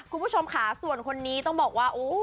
คุณผู้ชมค่ะส่วนคนนี้ต้องบอกว่า